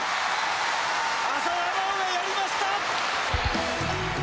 浅田真央がやりました！